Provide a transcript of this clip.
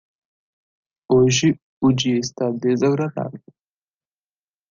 Hoje o dia está desagradável.